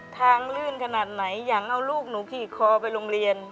ลื่นขนาดไหนอยากเอาลูกหนูขี่คอไปโรงเรียน